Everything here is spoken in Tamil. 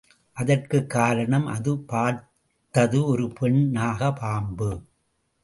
அதற்குக் காரணம், அது பார்த்தது ஒரு பெண் நாகப் பாம்பு!